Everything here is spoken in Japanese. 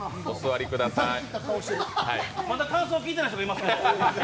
まだ感想聞いてない人がいますね。